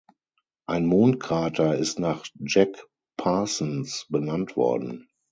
Ein Mondkrater ist nach Jack Parsons benannt worden.